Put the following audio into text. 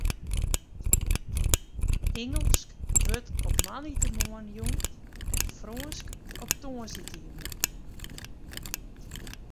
Ingelsk wurdt op moandeitemoarn jûn en Frânsk op tongersdeitejûn.